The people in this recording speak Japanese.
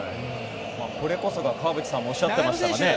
これこそが川淵さんもおっしゃっていましたが。